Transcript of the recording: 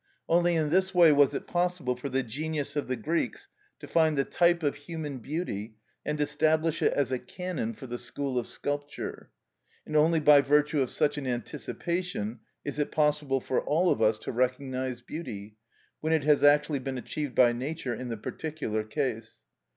Only in this way was it possible for the genius of the Greeks to find the type of human beauty and establish it as a canon for the school of sculpture; and only by virtue of such an anticipation is it possible for all of us to recognise beauty, when it has actually been achieved by nature in the particular case.